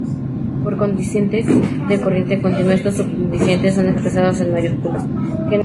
Para condiciones de corriente continua estos subíndices son expresados en mayúsculas.